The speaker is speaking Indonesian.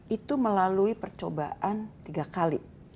itu melalui percobaan tiga kali